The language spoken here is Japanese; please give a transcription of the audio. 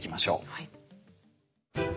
はい。